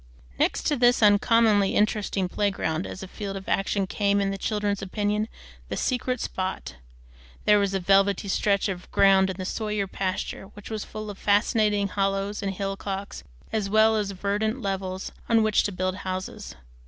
Next to this uncommonly interesting playground, as a field of action, came, in the children's opinion, the "secret spot." There was a velvety stretch of ground in the Sawyer pasture which was full of fascinating hollows and hillocks, as well as verdant levels, on which to build houses.